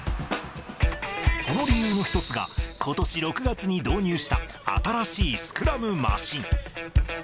その理由の一つが、ことし６月に導入した、新しいスクラムマシン。